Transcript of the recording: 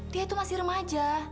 dia itu masih remaja